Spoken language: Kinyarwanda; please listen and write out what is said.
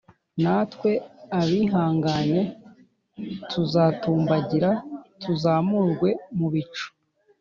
Natwe abihanganye tuzatumbagira tuzamurwe mu bicu